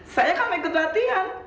saya kan mengikuti latihan